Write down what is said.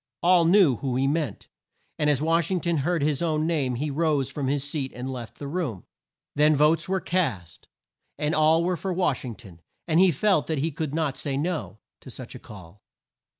All knew whom he meant, and as Wash ing ton heard his own name he rose from his seat and left the room. Then votes were cast, and all were for Wash ing ton, and he felt that he could not say No to such a call.